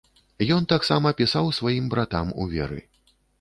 Ён таксама пісаў сваім братам у веры.